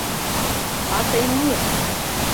— А тый му!